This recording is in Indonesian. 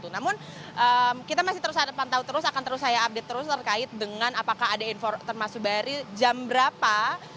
namun kita masih terus pantau terus akan terus saya update terus terkait dengan apakah ada informasi dari jam berapa